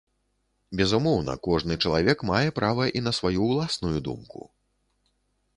Безумоўна, кожны чалавек мае права і на сваю ўласную думку.